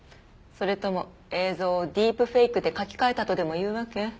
それとも映像をディープフェイクで書き換えたとでも言うわけ？